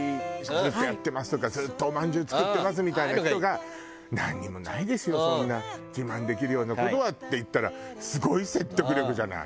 ずっとやってますとかずっとおまんじゅう作ってますみたいな人が「なんにもないですよそんな自慢できるような事は」って言ったらすごい説得力じゃない。